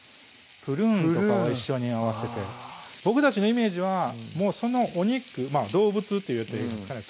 プルーンとかを一緒に合わせて僕たちのイメージはもうそのお肉動物っていっていいんですかね